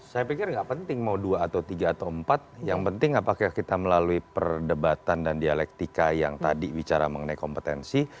saya pikir nggak penting mau dua atau tiga atau empat yang penting apakah kita melalui perdebatan dan dialektika yang tadi bicara mengenai kompetensi